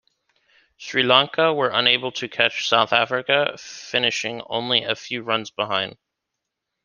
Sri Lanka were unable to catch South Africa, finishing only a few runs behind.